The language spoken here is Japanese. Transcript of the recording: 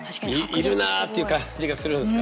いるなっていう感じがするんですか。